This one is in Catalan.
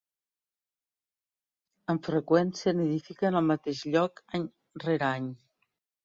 Amb freqüència, nidifiquen al mateix lloc any rere any.